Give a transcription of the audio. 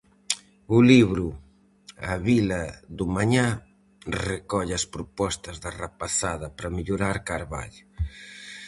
O libro "A vila do mañá" recolle as propostas da rapazada para mellorar Carballo.